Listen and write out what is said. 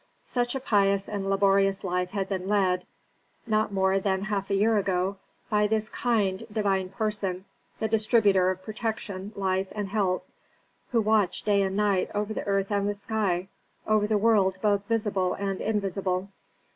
Such a pious and laborious life had been led, not more than half a year ago, by this kind, divine person, the distributor of protection, life, and health, who watched day and night over the earth and the sky, over the world both visible and invisible.